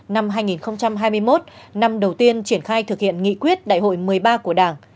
năm hai nghìn hai mươi một năm đầu tiên triển khai thực hiện nghị quyết đại hội một mươi ba của đảng